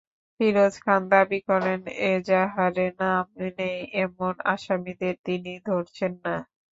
ফিরোজ খান দাবি করেন, এজাহারে নাম নেই এমন আসামিদের তিনি ধরছেন না।